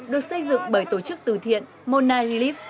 được xây dựng bởi tổ chức từ thiện monalive